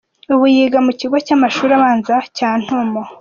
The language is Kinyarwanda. Ubu yiga ku kigo cy’amashuli abanza cya Ntomo.